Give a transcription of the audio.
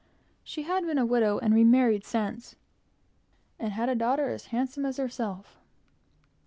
She had been a widow, and remarried since, and had a daughter as handsome as herself.